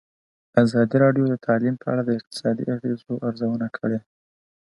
ازادي راډیو د تعلیم په اړه د اقتصادي اغېزو ارزونه کړې.